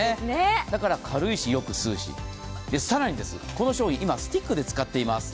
だから、軽いし、よく吸うし更にこの商品、今スティックで使っています。